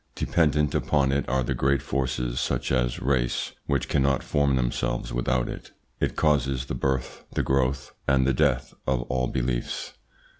Dependent upon it are the great forces such as race, which cannot form themselves without it. It causes the birth, the growth, and the death of all beliefs.